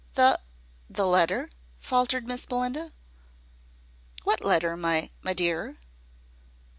"The the letter!" faltered Miss Belinda. "What letter, my my dear?"